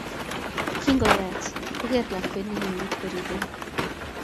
Kingo yaat kogeer lakweet ne weriit koriirei.